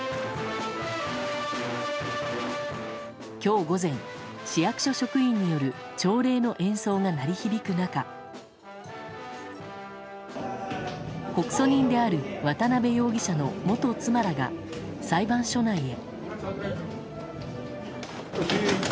今日午前、市役所職員による朝礼の演奏が鳴り響く中告訴人である渡辺容疑者の元妻らが裁判所内へ。